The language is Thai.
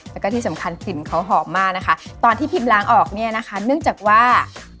แล้วก็ที่สำคัญกลิ่นเขาหอมมากนะคะตอนที่พิมล้างออกเนี่ยนะคะเนื่องจากว่า